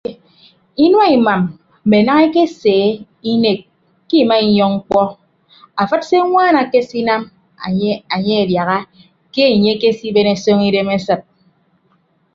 Inua imam mme daña ekese inek ke imainyọñ mkpọ afịd se añwaan ekesinam enye adiaha ke enye akese ben ọsọñ idem esịt.